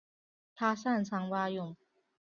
他擅长蛙泳。